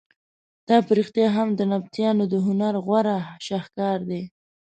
دا په رښتیا هم د نبطیانو د هنر غوره شهکار دی.